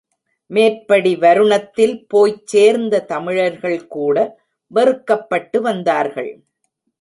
மேற்படி வருணத்தில் போய்ச் சேர்ந்த தமிழர்கள்கூட வெறுக்கப் பட்டு வந்தார்கள்.